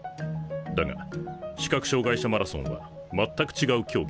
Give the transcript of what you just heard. だが視覚障害者マラソンは全く違う競技だ。